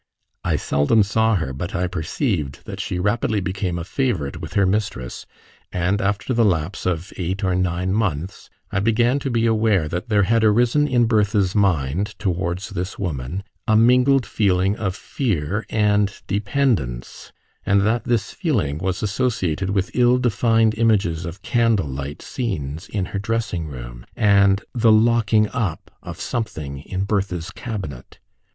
I seldom saw her; but I perceived that she rapidly became a favourite with her mistress, and, after the lapse of eight or nine months, I began to be aware that there had arisen in Bertha's mind towards this woman a mingled feeling of fear and dependence, and that this feeling was associated with ill defined images of candle light scenes in her dressing room, and the locking up of something in Bertha's cabinet.